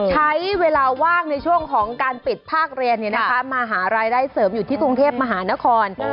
ใช้เวลาว่างในช่วงของการปิดภาคเรียนมาหารายได้เสริมอยู่ที่กรุงเทพมหานคร